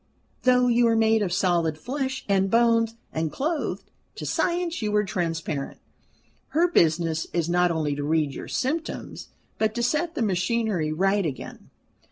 Though you are made of solid flesh and bones, and clothed, to Science you are transparent. Her business is not only to read your symptoms, but to set the machinery right again."